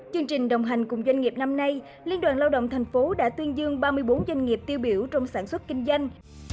chương trình đồng hành cùng doanh nghiệp năm nay liên đoàn lao động thành phố đã tuyên dương ba mươi bốn doanh nghiệp tiêu biểu trong sản xuất kinh doanh